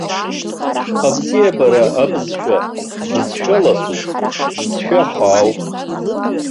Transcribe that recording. Абзиабара абызшәа бызшәа ласуп, бызшәа хаауп.